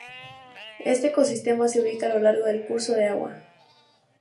Este ecosistema se ubica a lo largo del curso de agua.